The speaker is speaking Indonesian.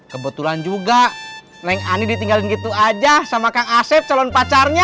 kebetulan juga neng ani ditinggalin gitu aja sama kang asep calon pacarnya